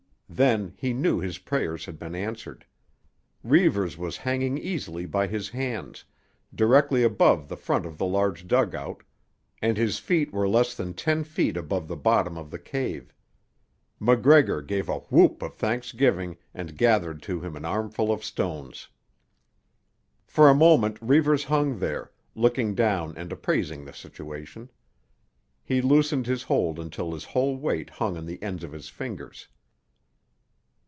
Then he knew his prayers had been answered. Reivers was hanging easily by his hands, directly above the front of the large dugout, and his feet were less than ten feet above the bottom of the cave. MacGregor gave a whoop of thanksgiving and gathered to him an armful of stones. For a moment Reivers hung there, looking down and appraising the situation. He loosened his hold until his whole weight hung on the ends of his fingers.